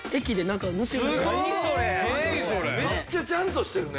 めっちゃちゃんとしてるね。